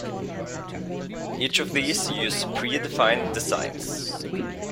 Each of these use predefined designs.